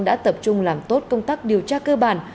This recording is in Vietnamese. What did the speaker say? đã tập trung làm tốt công tác điều tra cơ bản